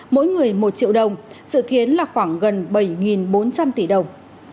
mỗi người một triệu đồng sự kiến là khoảng gần bảy bốn trăm linh tỷ đồng